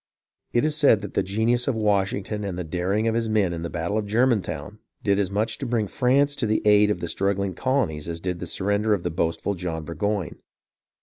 It is said that the genius of Washington and the daring of his men in the battle of Germantown did as much to bring France to the aid of the struggling colonies as did the surrender of the boastful John Burgoyne.